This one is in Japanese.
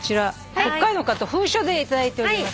北海道の方封書で頂いております。